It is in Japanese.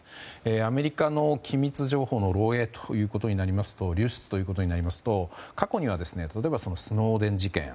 アメリカの機密情報の漏洩流出ということになりますと過去には例えばスノーデン事件。